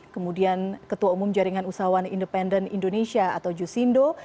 kemudian ketua umum jaringan usahawan independen indonesia atau jusindo